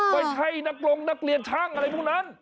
ไม่ใช่นักลงนักเรียนช่างอะไรพวกนั้น